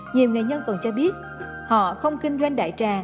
nhiều nghệ nhân còn cho biết họ không kinh doanh đại trà